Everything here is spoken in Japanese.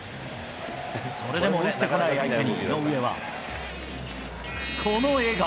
それでも打ってこない相手に井上は、この笑顔。